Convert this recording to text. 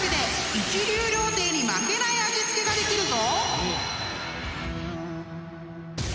一流料亭に負けない味付けができるぞ！］